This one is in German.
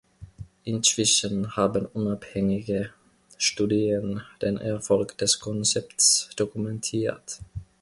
Inzwischen haben unabhängige Studien den Erfolg des Konzepts dokumentiert.